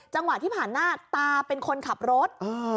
จังหวะที่ผ่านหน้าตาเป็นคนขับรถ